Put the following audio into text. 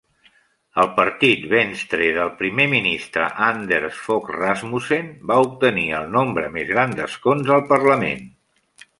El partit Venstre del primer ministre Anders Fogh Rasmussen va obtenir el nombre més gran d'escons al parlament.